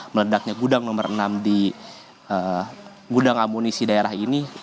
meledaknya gudang nomor enam di gudang amunisi daerah ini